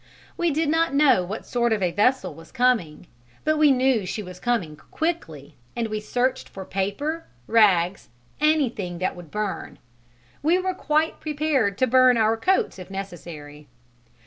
We did not know what sort of a vessel was coming, but we knew she was coming quickly, and we searched for paper, rags, anything that would burn (we were quite prepared to burn our coats if necessary).